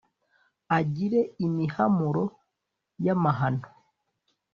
agire imihamuro y' amahano